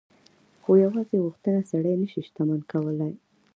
خو يوازې غوښتنه سړی نه شي شتمن کولای.